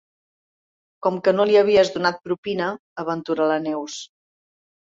Com que no li havies donat propina —aventura la Neus.